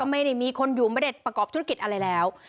ไม่ได้มีคนอยู่ไม่ได้ประกอบธุรกิจอะไรแล้ว